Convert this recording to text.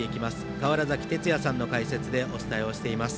川原崎哲也さんの解説でお伝えをしています。